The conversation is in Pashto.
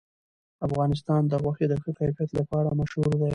افغانستان د غوښې د ښه کیفیت لپاره مشهور دی.